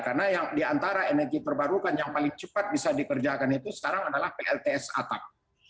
karena yang diantara energi terbarukan yang paling cepat bisa dikerjakan itu sekarang adalah plts atak